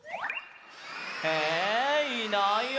えいないよ！